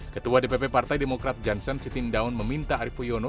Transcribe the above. ketua dpp partai demokrat johnssen sitindaun meminta arief puyono